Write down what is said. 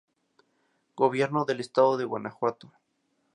Gobierno del Estado de Guanajuato.